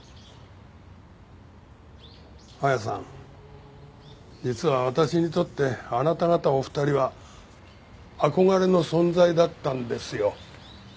綾さん実は私にとってあなた方お二人は憧れの存在だったんですよ。